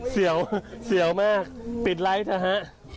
เสียวมากปิดไลค์เถอะฮะ